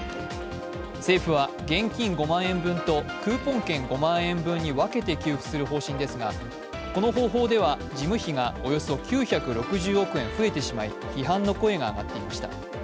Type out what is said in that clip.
政府は、現金５万円分とクーポン券５万円分に分けて給付する方針ですが、この方法では、事務費がおよそ９６０億円増えてしまい批判の声が上がっていました。